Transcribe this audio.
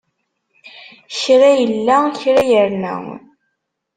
Kra illa, kra irna.